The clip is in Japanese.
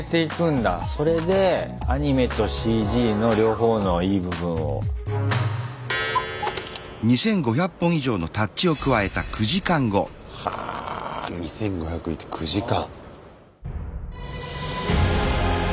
それでアニメとＣＧの両方のいい部分を。は２５００入れて９時間！